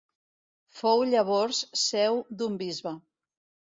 Fou llavors seu d'un bisbe.